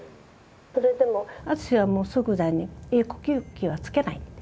それでもアツシはもう即座に「呼吸器はつけない」と。